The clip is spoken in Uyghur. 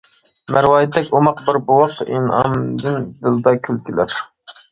مەرۋايىتتەك ئوماق بىر بوۋاق، ئىنئامىدىن دىلدا كۈلكىلەر.